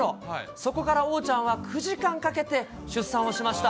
そこから桜ちゃんは９時間かけて出産をしました。